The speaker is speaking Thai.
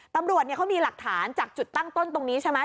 ตำรวจเขามีหลักฐานจากจุดตั้งต้นตรงนี้ใช่ไหม